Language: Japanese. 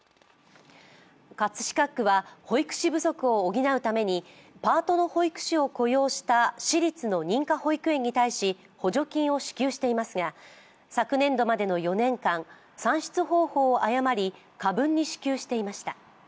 葛飾区は保育士不足を補うためにパートの保育士を雇用した私立の認可保育園に対し補助金を支給していますが、昨年度までの４年間、算出方法を誤り、過分に支給していました。